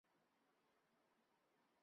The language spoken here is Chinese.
第十届全国政协副主席。